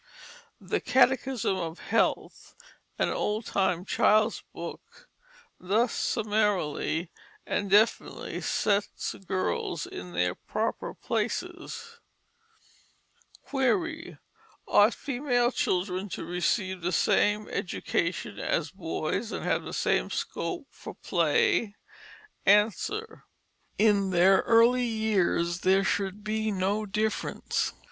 The Catechism of Health, an old time child's book, thus summarily and definitely sets girls in their proper places: "Query: Ought female children to receive the same education as boys and have the same scope for play? "Answer: In their earlier years there should be no difference.